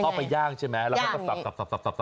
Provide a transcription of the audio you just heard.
พ่อไปย่างใช่ไหมเราก็สับ